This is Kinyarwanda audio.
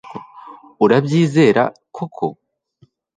Urabyizera koko